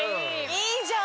いいじゃん！